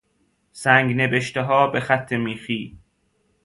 سنگ نبشتهها به خط میخی